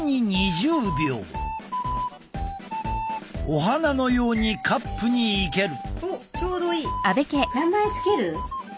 お花のようにカップに生ける。